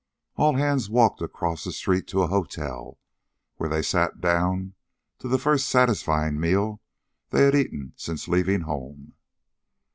All hands walked across the street to a hotel, where they sat down to the first satisfying meal they had eaten since leaving home.